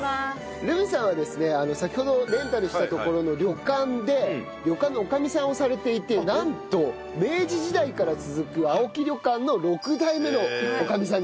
留美さんはですね先ほどレンタルした所の旅館で旅館の女将さんをされていてなんと明治時代から続く青木旅館の６代目の女将さんだという事で。